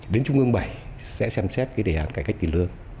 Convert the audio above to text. đến trung ương bảy sẽ xem xét cái đề án cải cách tiền lương